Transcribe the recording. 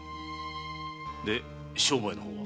で商売の方は？